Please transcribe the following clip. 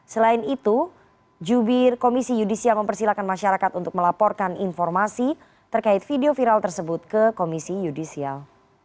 selain itu jubir komisi yudisial mempersilahkan masyarakat untuk melaporkan informasi terkait video viral tersebut ke komisi yudisial